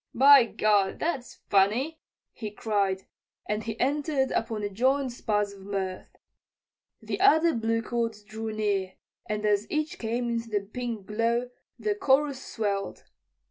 "By gad, that's funny," he cried, and he entered upon a joint spasm of mirth. The other bluecoats drew near, and as each came into the pink glow the chorus swelled.